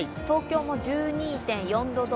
東京も１２．４度